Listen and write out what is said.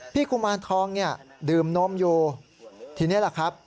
พี่กุมารทองดื่มนมอยู่ทีนี้ล่ะครับ